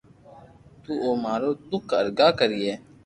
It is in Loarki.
تو او مارو دوک ارگا ڪرئي